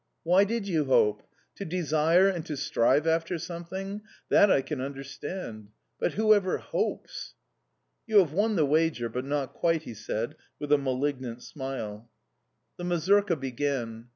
"Why did you hope? To desire and to strive after something that I can understand! But who ever hopes?" "You have won the wager, but not quite," he said, with a malignant smile. The mazurka began.